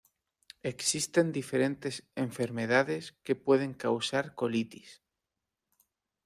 Existen diferentes enfermedades que pueden causar colitis.